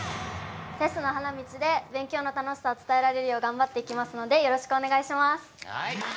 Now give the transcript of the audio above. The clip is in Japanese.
「テストの花道」で勉強の楽しさを伝えられるよう頑張っていきますのでよろしくお願いします。